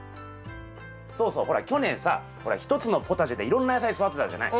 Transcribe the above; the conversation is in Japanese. そうそうほら去年さ一つのポタジェでいろんな野菜育てたじゃない？